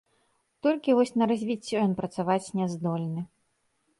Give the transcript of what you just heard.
Толькі вось на развіццё ён працаваць не здольны.